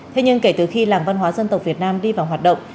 thế nhưng kể từ khi làng văn hóa dân tộc việt nam đi vào hoạt động